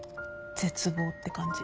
絶望って感じ。